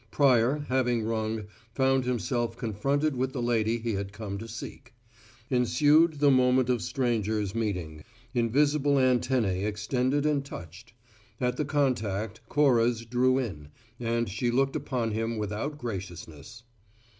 Pryor, having rung, found himself confronted with the lady he had come to seek. Ensued the moment of strangers meeting: invisible antennae extended and touched; at the contact, Cora's drew in, and she looked upon him without graciousness.